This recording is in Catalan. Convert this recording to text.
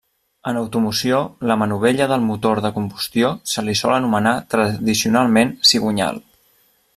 En automoció, a la manovella del motor de combustió se li sol anomenar, tradicionalment, cigonyal.